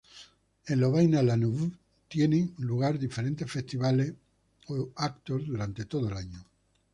En Louvain-La-Neuve tienen lugar diferentes festivales o eventos durante todo el año.